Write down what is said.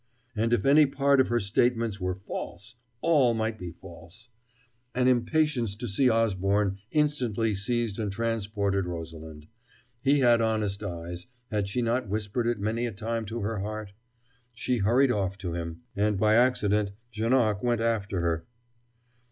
And if any part of her statements were false, all might be false. An impatience to see Osborne instantly seized and transported Rosalind. He had honest eyes had she not whispered it many a time to her heart? She hurried off to him.... And by accident Janoc went after her.